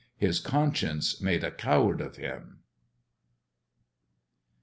His conscience made a coward of him.